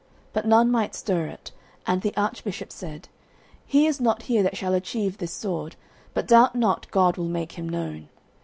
But none might stir it, and the Archbishop said: "He is not here that shall achieve this sword, but doubt not God will make him known.